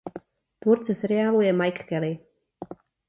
Tvůrcem seriálu je Mike Kelley.